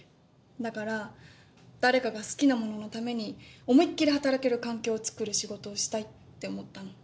だから誰かが好きなもののために思いっ切り働ける環境を作る仕事をしたいって思ったの。